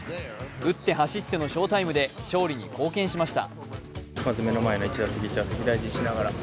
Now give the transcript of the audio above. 打って走っての翔タイムで勝利に貢献しました。